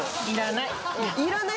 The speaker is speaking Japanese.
いらない。